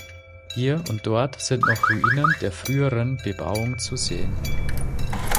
Hier und dort sind noch Ruinen der früheren Bebauung zu sehen.